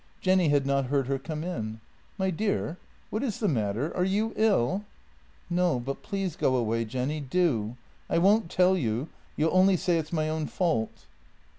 Jenny had not heard her come in. " My dear, what is the matter ? Are you ill ?" "No, but please go away, Jenny, do! I won't tell you; you'll only say it's my own fault."